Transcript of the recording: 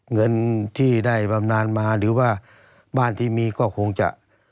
เงินที่ได้บำนานมาหรือว่าบ้านที่มีก็คงจะ